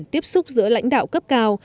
tiếp xúc giữa lãnh đạo cấp cao